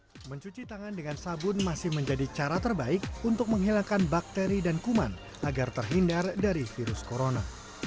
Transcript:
untuk mencuci tangan dengan sabun masih menjadi cara terbaik untuk menghilangkan bakteri dan kuman agar terhindar dari virus corona